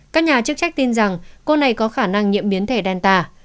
các nhà chức trách tin rằng cô này có khả năng nhiễm biến thể danta